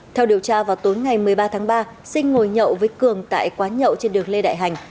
theo điều tra vào tối ngày một mươi ba tháng ba sinh ngồi nhậu với cường tại quán nhậu trên đường lê đại hành